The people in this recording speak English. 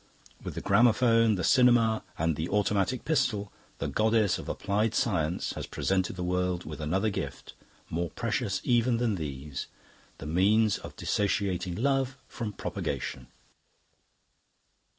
With the gramophone, the cinema, and the automatic pistol, the goddess of Applied Science has presented the world with another gift, more precious even than these the means of dissociating love from propagation.